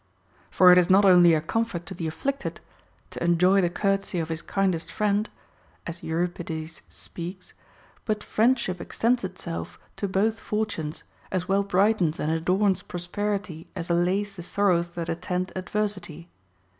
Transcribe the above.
* For it is not only a comfort to the afflicted, To enjoy the courtesy of his kindest friend,t as Euripides speaks ; but friendship extends itself to both fortunes, as well brightens and adorns prosperity as allays the sorrows that attend adversity.